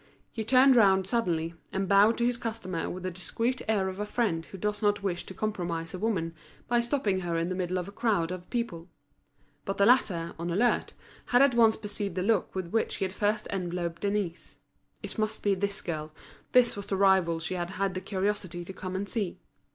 He turned round suddenly, and bowed to his customer with the discreet air of a friend who does not wish to compromise a woman by stopping her in the middle of a crowd of people. But the latter, on the alert, had at once perceived the look with which he had first enveloped Denise. It must be this girl, this was the rival she had had the curiosity to come and see.